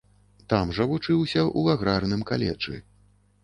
Там жа вучыўся ў аграрным каледжы.